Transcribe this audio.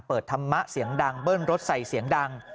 ธรรมะเสียงดังเบิ้ลรถใส่เสียงดัง